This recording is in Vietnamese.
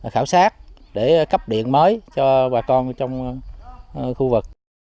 khảo sát để cấp điện mới cho bà con trong khu vực